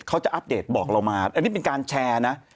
เขาจะอัปเดตบอกเรามาอันนี้เป็นการแชร์นะ